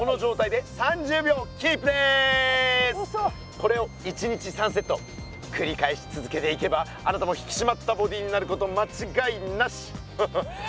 これを１日３セットくり返しつづけていけばあなたも引きしまったボディーになることまちがいなし！えむり！